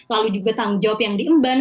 lalu juga tanggung jawab yang diemban